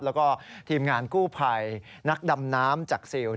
แล้วก็ทีมงานกู้ภัยนักดำน้ำจากซิล